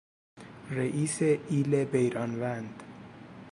رئیس ایل بیران وند